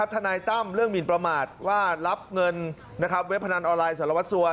ทนายตั้มเรื่องหมินประมาทว่ารับเงินเว็บพนันออนไลน์สารวัสสัว